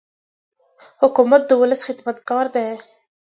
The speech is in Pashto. حکومت د ولس خدمتګار دی.